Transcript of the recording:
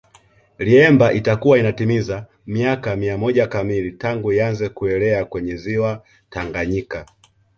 Liemba itakuwa inatimiza miaka mia moja kamili tangu ianze kuelea kwenye Ziwa Tanganyika